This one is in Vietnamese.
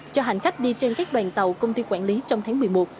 cho hành khách đi trên các đoàn tàu công ty quản lý trong tháng một mươi một